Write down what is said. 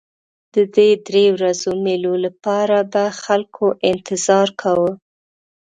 د دې درې ورځو مېلو لپاره به خلکو انتظار کاوه.